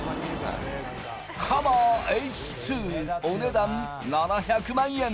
ハマーＨ２、お値段７００万円。